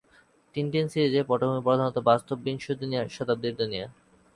Tintin সিরিজের পটভূমি প্রধানত বাস্তব বিংশ শতাব্দীর দুনিয়া।